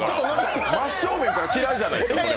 真正面から嫌いじゃないですか。